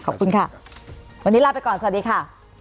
ขอบคุณค่ะวันนี้ลาไปก่อนสวัสดีค่ะ